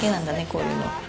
こういうの。